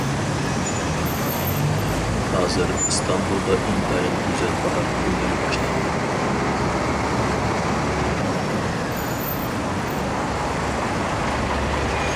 ھازىر ئىستانبۇلدا ئىنتايىن گۈزەل باھار كۈنلىرى باشلاندى.